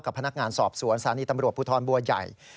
พนักงานสอบสวนสถานีตำรวจภูทรบัวใหญ่